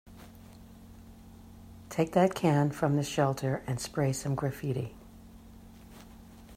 Take that can from the shelter and spray some graffiti.